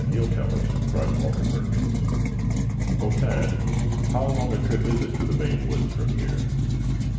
He'll tell us," cried Walter Perkins. "Oh, Tad, how long a trip is it to the Maine Woods from here?"